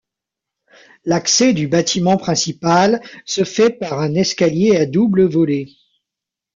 L’accès du bâtiment principal se fait par un escalier à double volée.